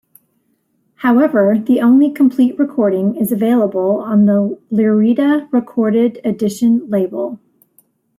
However, the only complete recording is available on the Lyrita Recorded Edition label.